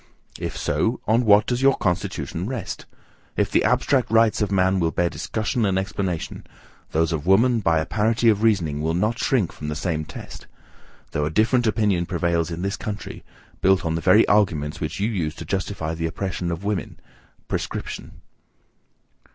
If so, on what does your constitution rest? If the abstract rights of man will bear discussion and explanation, those of woman, by a parity of reasoning, will not shrink from the same test: though a different opinion prevails in this country, built on the very arguments which you use to justify the oppression of woman, prescription.